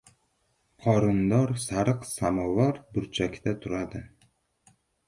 Qorindor sariq samovar burchakda turadi.